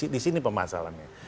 di sini pemasalannya